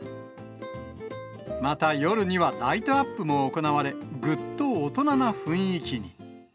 また夜には、ライトアップも行われ、ぐっと大人な雰囲気に。